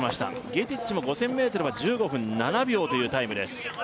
ゲティッチも５０００ｍは１５分７秒というタイムです